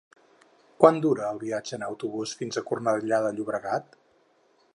Quant dura el viatge en autobús fins a Cornellà de Llobregat?